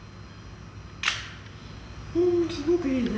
うんすごくいいね。